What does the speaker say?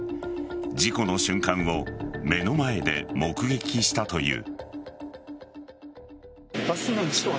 事故の瞬間を目の前で目撃したという。